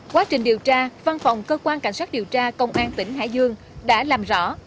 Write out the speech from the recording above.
quá trình điều tra văn phòng cơ quan cảnh sát điều tra công an tỉnh hải dương đã làm rõ